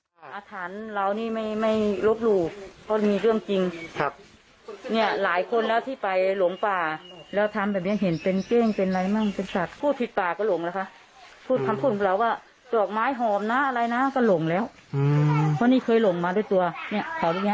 กลับไม่ได้เลยถากแม้นี่เป็นคนขึ้นขาวแล้วชอบถาก